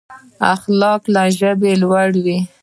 اخلاق له ژبې لوړ دي.